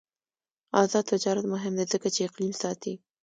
آزاد تجارت مهم دی ځکه چې اقلیم ساتي.